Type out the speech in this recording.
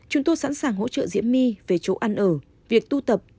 chúng tôi sẵn sàng hỗ trợ diễm my về chỗ ăn ở việc tu tập